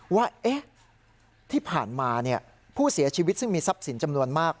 ว่าที่ผ่านมาผู้เสียชีวิตซึ่งมีทรัพย์สินจำนวนมาก